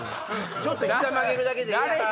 ちょっと膝曲げるだけでええ。